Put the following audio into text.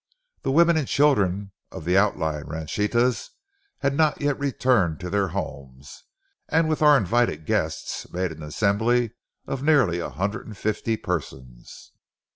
The women and children of the outlying ranchitas had not yet returned to their homes, and with our invited guests made an assembly of nearly a hundred and fifty persons.